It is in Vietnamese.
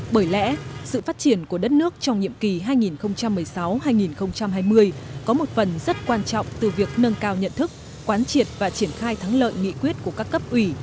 bởi lẽ sự phát triển của đất nước trong nhiệm kỳ hai nghìn một mươi sáu hai nghìn hai mươi có một phần rất quan trọng từ việc nâng cao nhận thức quán triệt và triển khai thắng lợi nghị quyết của các cấp ủy